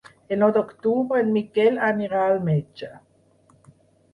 El nou d'octubre en Miquel anirà al metge.